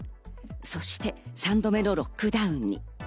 そして３度目のロックダウンに。